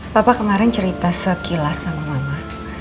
bapak kemarin cerita sekilas sama mama